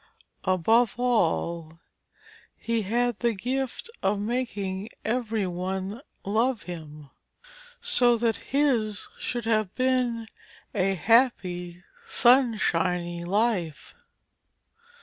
Above all, he had the gift of making every one love him, so that his should have been a happy sunshiny life.